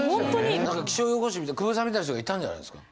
気象予報士みたいに久保井さんみたいな人がいたんじゃないんですか。